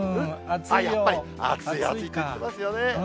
やっぱり、暑い、暑いって言ってますよね。